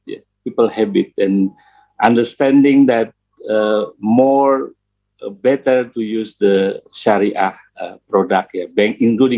untuk mengubah kebiasaan orang dan memahami bahwa lebih baik untuk menggunakan produk shariah